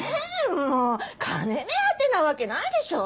もう金目当てなわけないでしょ？